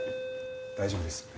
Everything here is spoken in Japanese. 大丈夫です。